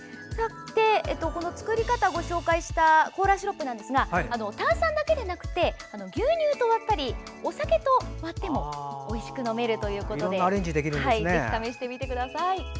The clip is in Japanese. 作り方をご紹介したコーラシロップですが炭酸だけでなくて牛乳と割ったりお酒と割ってもおいしく飲めるということでぜひ試してみてください。